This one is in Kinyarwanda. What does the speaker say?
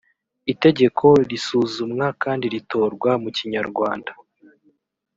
itegeko risuzumwa kandi ritorwa mu kinyarwanda